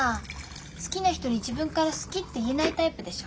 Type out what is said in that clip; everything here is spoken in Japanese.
好きな人に自分から好きって言えないタイプでしょ。